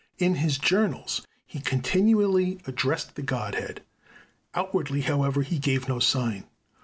In his journals he continually addresses the Godhead. Outwardly, however, he gave no sign.